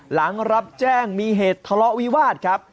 หลังรับแจ้งมีเหตุทะเลาะวิวาสครับ